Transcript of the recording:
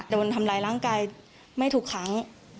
โดนทำร้ายร่างกายไม่ถูกครั้ง